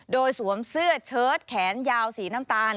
โดยสวมเสื้อเชิดแขนยาวสีน้ำตาล